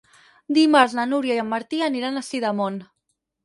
Dimarts na Núria i en Martí aniran a Sidamon.